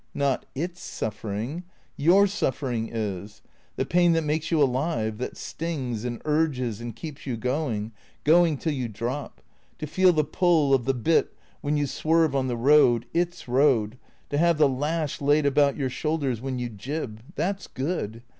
" Not Its suffering. Your suffering is — the pain that makes you alive, that stings and urges and keeps you going — going till you drop. To feel the pull of the bit when you swerve on the road — Its road — to have the lash laid about your shoulders when you jib — that's good.